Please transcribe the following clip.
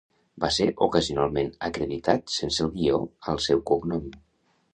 Va ser ocasionalment acreditat sense el guió al seu cognom.